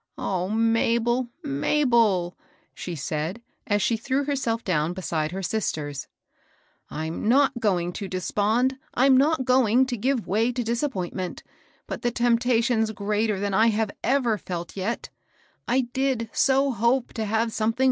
" O Mabel 1 Mabel I " she said, as she threw herself down beside her sisters, " I'm not going to despond, I'm not going to give way to disap pointment, but the temptation's greater than I ever felt yet I I did so hope to have something MR.